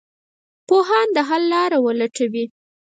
پوهان د حل لاره ولټوي.